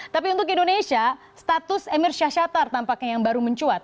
tapi untuk indonesia status emir syahsyatar tampaknya yang baru mencuat